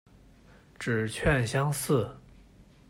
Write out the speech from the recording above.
指券相似。